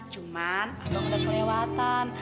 cuma abang udah kelewatan